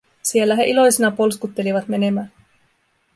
Siellä he iloisina polskuttelivat menemään.